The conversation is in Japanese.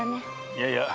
いやいや。